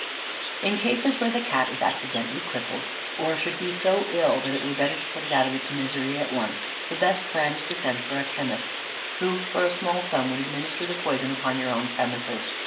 In cases where the Cat is accidentally crippled, or should be so ill that it were better to put it out of its misery at once, the best plan is to send for a chemist, who for a small sum would administer the poison upon your own premises.